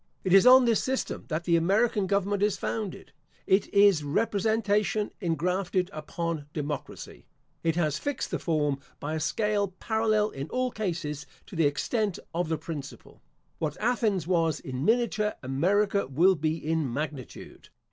It is on this system that the American government is founded. It is representation ingrafted upon democracy. It has fixed the form by a scale parallel in all cases to the extent of the principle. What Athens was in miniature America will be in magnitude.